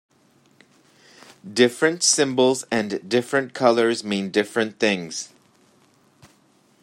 Different symbols and different colours mean different things.